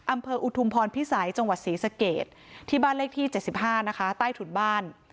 อำเภออุทุมพรพิษัยจังหวัดศรีสเกตที่บ้านเลขที่เจ็ดสิบห้านะคะใต้ถุดบ้าน